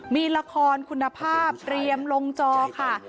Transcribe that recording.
มีละครคุณภาพเตรียมลงจอค่ะ